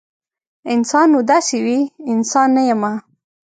انسان نو داسې وي؟ انسان نه یمه